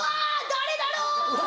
誰だろう！